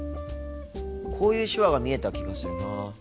こういう手話が見えた気がするなぁ。